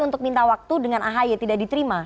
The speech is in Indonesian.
untuk minta waktu dengan ahy tidak diterima